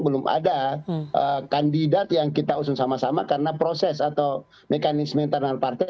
belum ada kandidat yang kita usung sama sama karena proses atau mekanisme internal partai